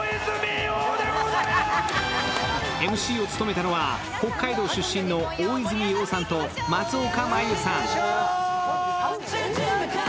ＭＣを務めたのは北海道出身の大泉洋さんと松岡茉優さん。